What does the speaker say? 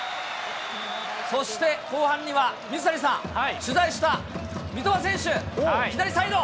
そして後半には水谷さん、取材した三笘選手、左サイド。